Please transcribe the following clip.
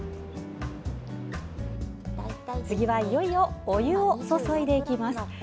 次は、いよいよお湯を注いでいきます。